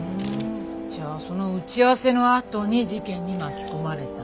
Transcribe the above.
じゃあその打ち合わせのあとに事件に巻き込まれた。